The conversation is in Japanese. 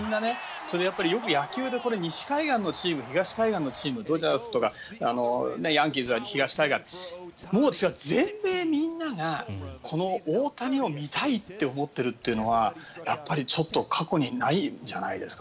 それはよく野球で西海岸のチーム東海岸のチームドジャースとかヤンキースもう全米みんながこの大谷を見たいと思っているというのはやっぱりちょっと過去にないんじゃないですか。